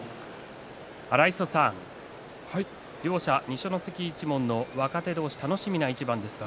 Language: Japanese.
荒磯さん、両者は二所ノ関一門の若手同士楽しみな一番でしたね。